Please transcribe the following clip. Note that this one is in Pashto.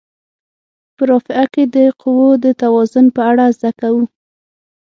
په رافعه کې د قوو د توازن په اړه زده کوو.